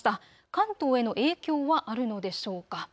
関東への影響はあるのでしょうか。